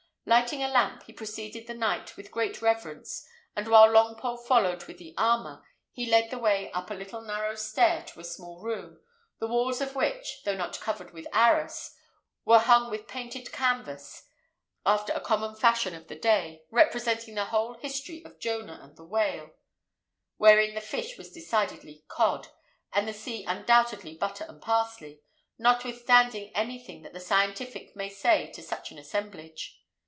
Lighting a lamp, he preceded the knight with great reverence; and while Longpole followed with the armour, he led the way up a little narrow stair to a small room, the walls of which, though not covered with arras, were hung with painted canvass, after a common fashion of the day, representing the whole history of Jonah and the whale; wherein the fish was decidedly cod, and the sea undoubtedly butter and parsley, notwithstanding anything that the scientific may say to such an assemblage.